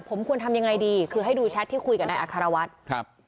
ผมควรทำยังไงดีคือให้ดูแชทที่คุยกับนายอัครวัฒน์ครับ